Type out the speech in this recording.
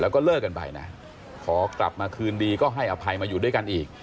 แล้วก็เลิกกันไปนะขอกลับมาคืนดีก็ให้อภัยมาอยู่ด้วยกันอีก